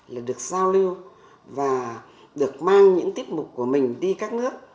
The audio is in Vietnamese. là được giao lưu và được mang những tiết mục của mình đi các nước